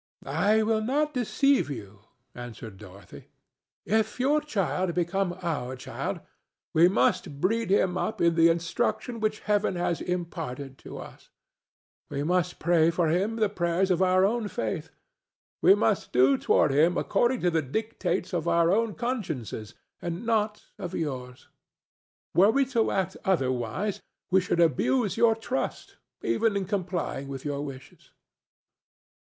"I will not deceive you," answered Dorothy. "If your child become our child, we must breed him up in the instruction which Heaven has imparted to us; we must pray for him the prayers of our own faith; we must do toward him according to the dictates of our own consciences, and not of yours. Were we to act otherwise, we should abuse your trust, even in complying with your wishes."